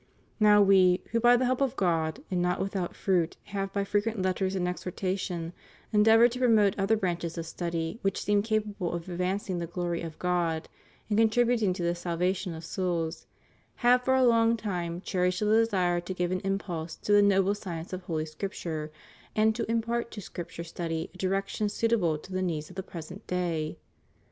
Now We, who by the help of God, and not without fruit, have by frequent Letters and exhortation endeavored to promote other branches of study which seem capable of advancing the glory of God and contributing to the salv:: tion of souls, have for a long time cherished the desire to give an impulse to the noble science of Holy Scripture, and to impart to Scripture study a direction suitable to the needs of the present day.